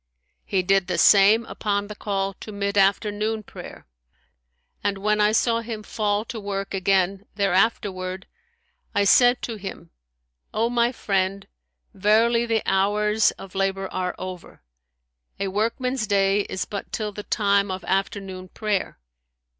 He did the same upon the call to mid afternoon prayer, and when I saw him fall to work again thereafterward, I said to him, O my friend, verily the hours of labour are over; a workman's day is but till the time of afternoon prayer.'